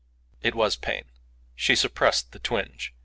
It was pain; she suppressed the twinge.